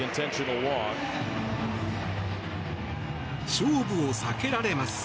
勝負を避けられます。